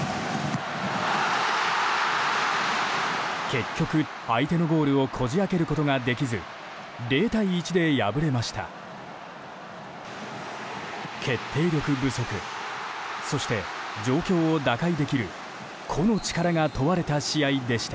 結局、相手のゴールをこじ開けることができず０対１で敗れました。